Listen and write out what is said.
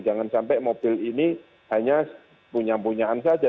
jangan sampai mobil ini hanya punya punyaan saja